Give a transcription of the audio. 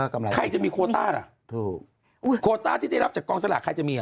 ใครจะมีโควต้าร่ะโควต้าที่ได้รับจากกองสลักใครจะมีอ่ะ